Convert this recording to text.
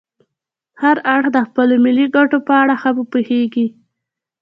هر اړخ د خپلو ملي ګټو په اړه ښه پوهیږي